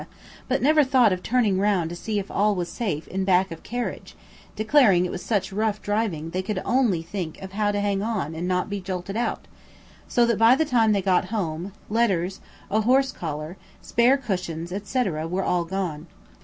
but never thought of turning round to see if all was safe in back of carriage, declaring it was such rough driving they could only think of how to hang on and not be jolted out, so that by the time they got home, letters, a horse collar, spare cushions, etc. were all gone.